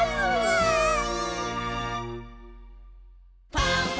わい！